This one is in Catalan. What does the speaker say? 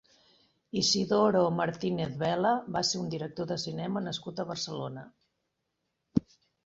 Isidoro Martínez-Vela va ser un director de cinema nascut a Barcelona.